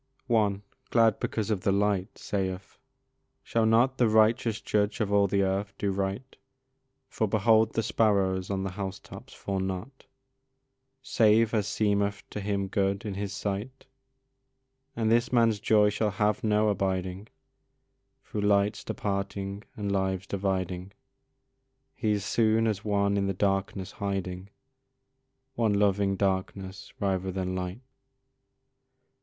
One, glad because of the light, saith, "Shall not The righteous Judge of all the earth do right, For behold the sparrows on the house tops fall not Save as seemeth to Him good in His sight?" And this man's joy shall have no abiding, Through lights departing and lives dividing, He is soon as one in the darkness hiding, One loving darkness rather than light.